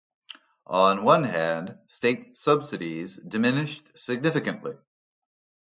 On one hand, State subsidies diminished significantly.